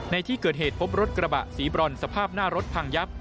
ในที่เกิดเหตุพบรถกระบะสีบรอนสภาพหน้ารถพังยับ